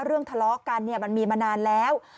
เรื่องทะเลาะกันมันมีมานานแล้ว